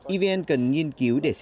evn cần nghiên cứu để xem xét